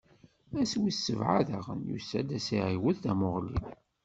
Ass wis sebɛa daɣen, Yusef ad s-iɛiwed tamuɣli.